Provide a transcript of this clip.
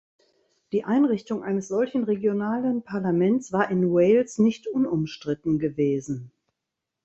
Die Einrichtung eines solchen regionalen Parlaments war in Wales nicht unumstritten gewesen.